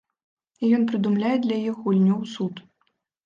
І ён прыдумляе для іх гульню ў суд.